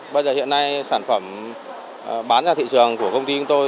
bây giờ hiện nay sản phẩm bán ra thị trường của công ty của tôi